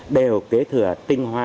đều kế thừa tinh hoa